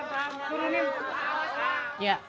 tengah lagi tengah